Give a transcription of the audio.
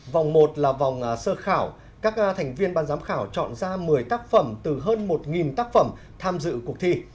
vòng một là vòng sơ khảo các thành viên ban giám khảo chọn ra một mươi tác phẩm từ hơn một tác phẩm tham dự cuộc thi